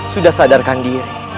sudah sadarkan diri